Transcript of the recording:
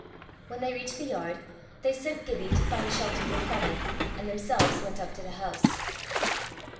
When they reached the yard, they sent Gibbie to find shelter for Crummie, and themselves went up to the house.